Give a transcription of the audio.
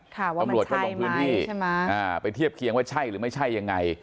ถามว่ามันใช่มั้ยไปเทียบเคียงว่าใช่หรือไม่ใช่ยังไง